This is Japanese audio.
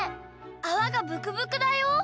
あわがブクブクだよ。